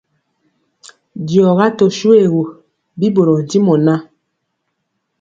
Diɔga tö shoégu, bi ɓorɔɔ ntimɔ ŋan,